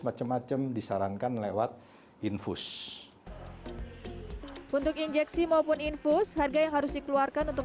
macam macam disarankan lewat infus untuk injeksi maupun infus harga yang harus dikeluarkan untuk